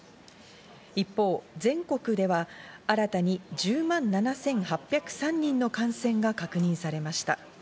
一方、全国では新たに１０万７８０３人の感染が確認されました。